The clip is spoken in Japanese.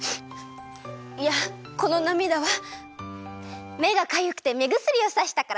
いやこのなみだはめがかゆくてめぐすりをさしたからだよ。